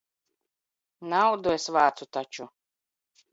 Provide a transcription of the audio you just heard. Naudu es vācu taču.